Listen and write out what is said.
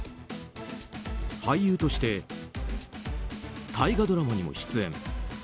俳優として大河ドラマにも出演。